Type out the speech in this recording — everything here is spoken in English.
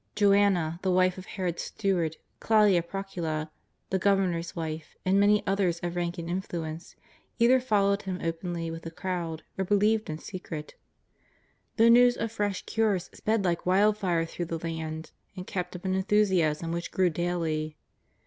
Joanna, the wife of Herod's steward, Claudia Procula, the Governor's wife, and many others of rank and influence, either followed Him openly with the crowd or believed in secret. The news of fresh cures sped like wildfire through the land, and kept up an enthusiasm which grew daily.